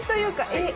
えっ？